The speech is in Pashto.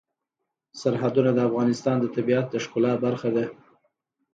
سرحدونه د افغانستان د طبیعت د ښکلا برخه ده.